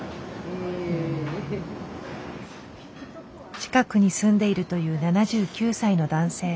近くに住んでいるという７９歳の男性。